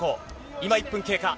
今、１分経過。